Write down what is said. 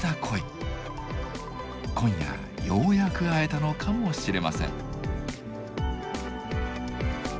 今夜ようやく会えたのかもしれません。